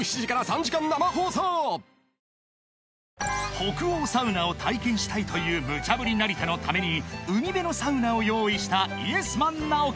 ［北欧サウナを体験したいというムチャぶり成田のために海辺のサウナを用意したイエスマン直樹］